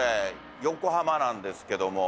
横浜なんですけども。